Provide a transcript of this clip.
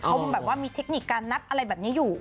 เขาแบบว่ามีเทคนิคการนับอะไรแบบนี้อยู่